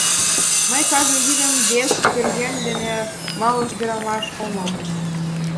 Мый кажне йӱдым вес пӧръеҥ дене малыше ӱдырамаш омыл.